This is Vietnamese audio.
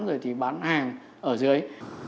rồi thì bán hàng ở dưới